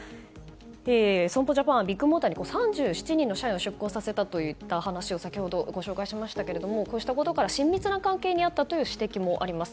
損保ジャパンはビッグモーターに３７人の社員を出向させたといった話を先ほどご紹介しましたがこうしたことから親密な関係にあったという指摘もあります。